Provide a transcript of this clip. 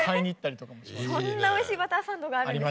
そんなおいしいバターサンドがあるんですか。